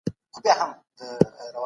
هغوی پر دغه لمانځه باندي ووهئ.